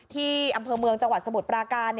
ที่อำเภอเมืองจังหวัดสมุทรปราการ